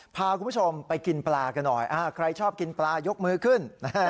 พาคุณผู้ชมไปกินปลากันหน่อยใครชอบกินปลายกมือขึ้น